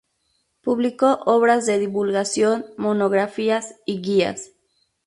Publicó obras de divulgación, monografías y guías.